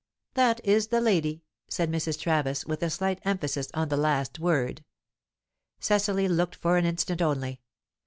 "That is the 'lady,'" said Mrs. Travis, with a slight emphasis on the last word. Cecily looked for an instant only.